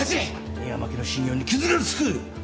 深山家の信用に傷が付く。